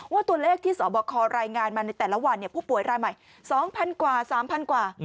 ว่าตัวเลขที่สบครายงานมาในแต่ละวันผู้ป่วยรายใหม่๒๐๐กว่า๓๐๐กว่า